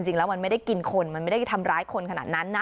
จริงแล้วมันไม่ได้กินคนมันไม่ได้ทำร้ายคนขนาดนั้นนะ